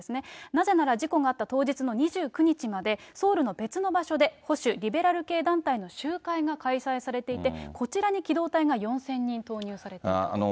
なぜなら事故のあった当日２９日まで、ソウルの別の場所で、保守・リベラル系団体の集会が開催されていて、こちらに機動隊が４０００人投入されていたと。